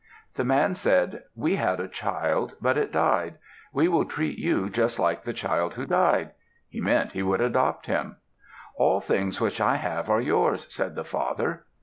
The man said, "We had a child, but it died. We will treat you just like the child who died." He meant he would adopt him. "All things which I have are yours," said the father.